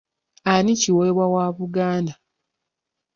Ani kiweewa wa Buganda?